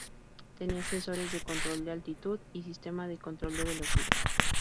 Tenía sensores de control de altitud y sistema de control de velocidad.